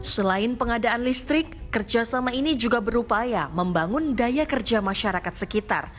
selain pengadaan listrik kerjasama ini juga berupaya membangun daya kerja masyarakat sekitar